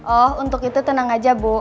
oh untuk itu tenang aja bu